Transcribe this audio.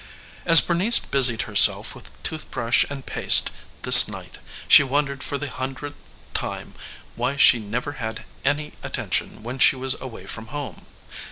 As Bernice busied herself with tooth brush and paste this night she wondered for the hundredth time why she never had any attention when she was away from home.